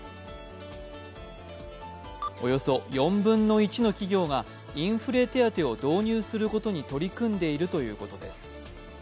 およそ４分の１の企業がインフレ手当を導入することに取り組んでいるということです。